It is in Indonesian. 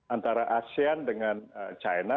antara asean dengan china